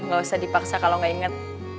gak usah dipaksa kalo gak inget